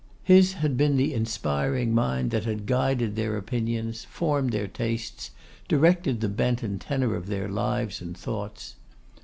His had been the inspiring mind that had guided their opinions, formed their tastes, directed the bent and tenor of their lives and thoughts.